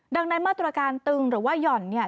ดังนั้นมาตรการตึงหรือว่าหย่อนเนี่ย